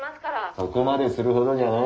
そこまでするほどじゃない。